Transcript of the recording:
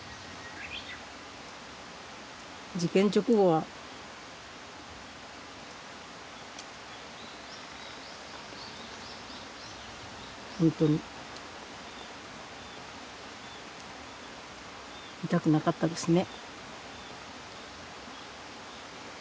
事件直後は本当に見たくなかったですね。